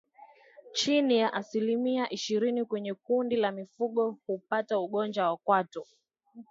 Chini ya asilimia ishirini kwenye kundi la mifugo hupata ugonjwa wa kuoza kwato